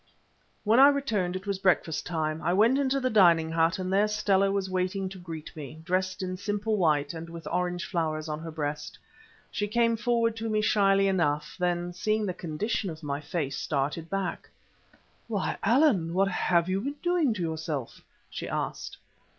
When I returned it was breakfast time. I went into the dining hut, and there Stella was waiting to greet me, dressed in simple white and with orange flowers on her breast. She came forward to me shyly enough; then, seeing the condition of my face, started back. "Why, Allan! what have you been doing to yourself?" she asked.